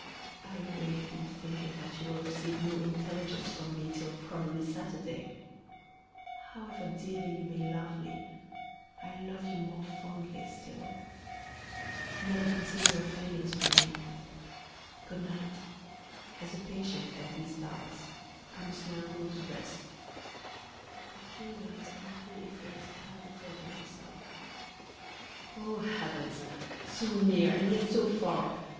I weep in thinking that you will receive no intelligence from me till probably Saturday. However dearly you may love me, I love you more fondly still. Never conceal your feelings from me. Good night! As a patient at these baths, I must now go to rest [a few words are here effaced by Beethoven himself]. Oh, heavens! so near, and yet so far!